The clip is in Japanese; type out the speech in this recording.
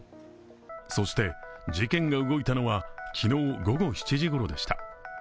そして、事件が動いたのは昨日午後７時ごろでした。